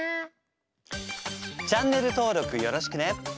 チャンネル登録よろしくね！